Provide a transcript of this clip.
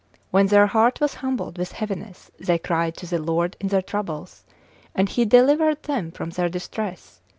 when their heart was humbled with heaviness, they cried to the Lord in their troubles, and he delivered them from their distress.